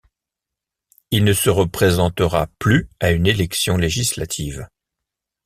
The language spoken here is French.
Il ne se représentera plus à une élection législative.